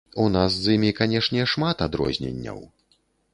У нас з імі, канешне, шмат адрозненняў.